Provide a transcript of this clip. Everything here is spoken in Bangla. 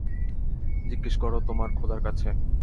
জিজ্ঞেস কর তোমার খোদার কাছে!